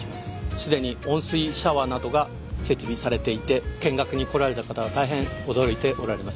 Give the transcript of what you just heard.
すでに温水シャワーなどが設備されていて見学に来られた方は大変驚いておられます。